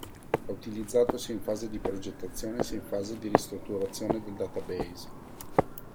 È utilizzato sia in fase di progettazione, sia in fase di ristrutturazione del database.